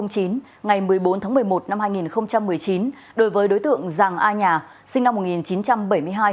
ngày một mươi bốn tháng một mươi một năm hai nghìn một mươi chín đối với đối tượng giàng a nhà sinh năm một nghìn chín trăm bảy mươi hai